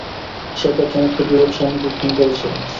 সে তার চমৎকার যুবক স্বামীকে খুন করেছিল।